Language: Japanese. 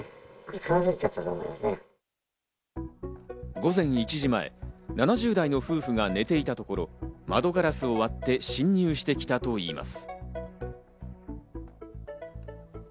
午前１時前、７０代の夫婦が寝ていたところ、窓ガラスを割って侵入してきたといいます。